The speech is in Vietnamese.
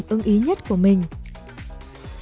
được trình diễn những sản phẩm